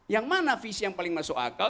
yang mana visi yang paling masuk akal